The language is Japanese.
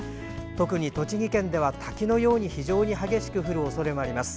特に栃木県では滝のように非常に激しく降る恐れもあります。